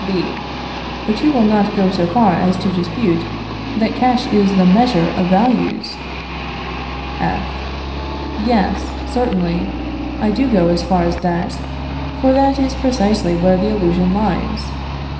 B. But you will not go so far as to dispute that cash is the measure of values? F. Yes, certainly, I do go as far as that, for that is precisely where the illusion lies.